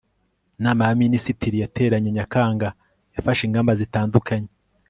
inama y'abaminisitiri yateranye nyakanga yafashe ingamba zitandukanye